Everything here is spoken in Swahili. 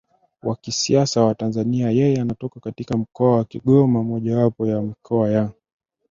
wa kisiasa wa TanzaniaYeye anatoka katika Mkoa wa Kigoma mojawapo ya mikoa ya